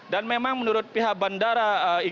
dan memang menurut pihak bandara